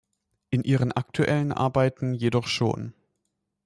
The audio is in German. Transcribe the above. In ihren aktuellen Arbeiten jedoch schon.